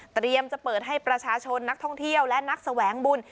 จะเปิดให้ประชาชนนักท่องเที่ยวและนักแสวงบุญ